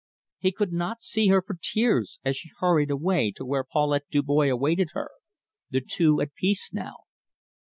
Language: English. He could not see her for tears as she hurried away to where Paulette Dubois awaited her the two at peace now.